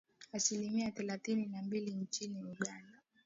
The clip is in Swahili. Asilimia thelathini na mbili nchini Uganda